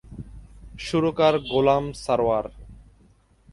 সুরকার গোলাম সারোয়ার।